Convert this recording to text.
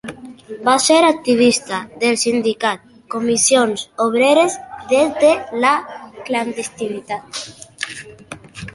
Va ser activista del sindicat Comissions Obreres des de la clandestinitat.